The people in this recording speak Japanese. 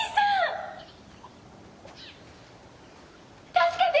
・助けて！